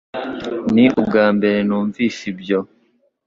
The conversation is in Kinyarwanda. Ni ubwambere numvise ibyo